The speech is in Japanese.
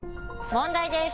問題です！